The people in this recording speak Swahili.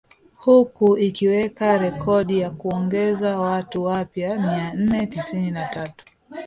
Huku ikiweka rekodi kwa kuongeza watu wapya mia nne tisini na tatu